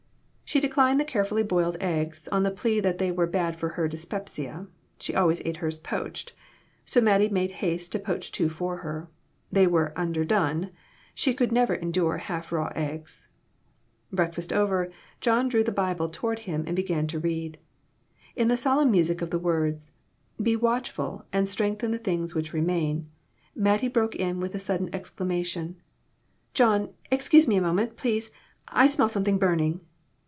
She declined the carefully boiled eggs, on the plea that they were bad for her dyspepsia she always ate hers poached so Mattie made haste to poach two for her. They were " underdone" she never could endure half raw eggs ! Breakfast over, John drew the Bible toward him, and began to read. Into the solemn music of the words, " Be watchful, and strengthen the things which remain," Mattie broke in with a sud den exclamation "John, excuse me a moment, please; I smell something burning."